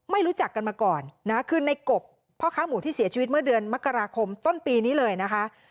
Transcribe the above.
รู้จักกันมาก่อนนะคือในกบพ่อค้าหมูที่เสียชีวิตเมื่อเดือนมกราคมต้นปีนี้เลยนะคะ